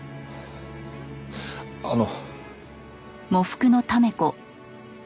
あの。